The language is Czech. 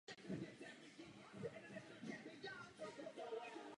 Poté se stěhují do jeho domu u moře v kalifornském pobřežním městě Malibu.